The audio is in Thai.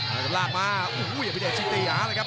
กันลาบมาโอ้โหแอฟพีเดชชิงตี่หาอะไรครับ